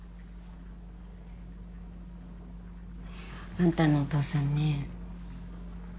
あんたのお父さんね。